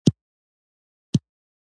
که څه هم ماښام تیاره وه.